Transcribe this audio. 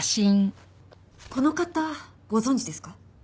この方ご存じですか？